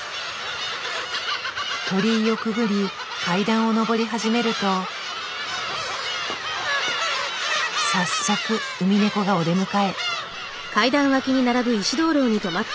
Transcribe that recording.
鳥居をくぐり階段を上り始めると早速ウミネコがお出迎え。